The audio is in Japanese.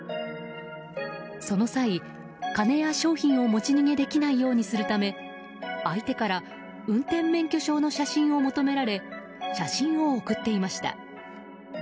その際、金や商品を持ち逃げできないようにするため相手から運転免許証の写真を求められ写真を送っていました。